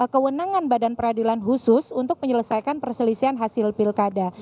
kewenangan badan peradilan khusus untuk menyelesaikan perselisihan hasil pilkada